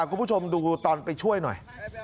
คุณผู้ชมดูตอนไปช่วยหน่อย